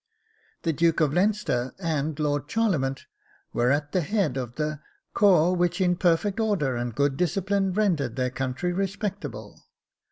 The Duke of Leinster and Lord Charlemont were at the head of the 'corps which in perfect order and good discipline rendered their country respectable.